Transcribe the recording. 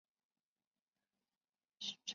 赖沙是德国巴伐利亚州的一个市镇。